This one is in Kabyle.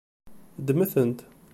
Ddmet-tent.